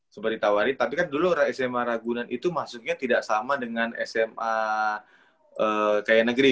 coba ditawarin tapi kan dulu sma ragunan itu masuknya tidak sama dengan sma kayak negeri